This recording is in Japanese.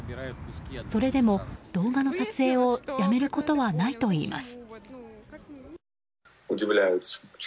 それでも、動画の撮影をやめることはないといいます。